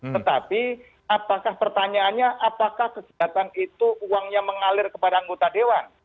tetapi apakah pertanyaannya apakah kegiatan itu uangnya mengalir kepada anggota dewan